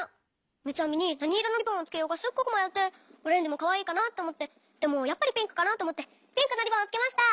みつあみになにいろのリボンをつけようかすっごくまよってオレンジもかわいいかなっておもってでもやっぱりピンクかなっておもってピンクのリボンをつけました。